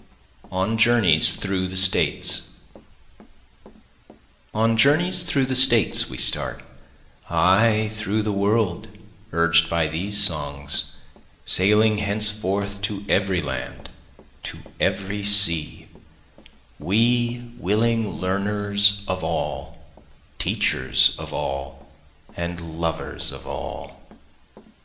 On Journeys Through the States On journeys through the States we start, (Ay through the world, urged by these songs, Sailing henceforth to every land, to every sea,) We willing learners of all, teachers of all, and lovers of all.